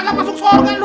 kagak masuk sorga lo